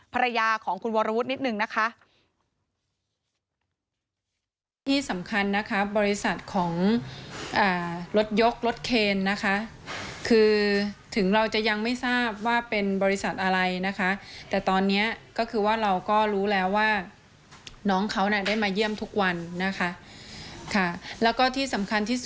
ภรรยาของคุณวรวุฒินิดนึงนะคะ